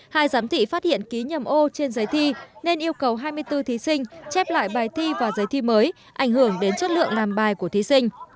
hai giám thị phát hiện ký nhầm ô trên giấy thi nên yêu cầu hai mươi bốn thí sinh chép lại bài thi và giấy thi mới ảnh hưởng đến chất lượng làm bài của thí sinh